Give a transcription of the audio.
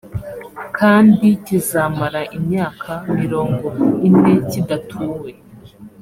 kandi kizamara imyaka mirongo ine kidatuwe